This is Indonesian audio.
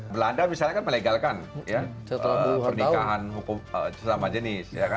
belanda misalnya kan melegalkan pernikahan hukum sesama jenis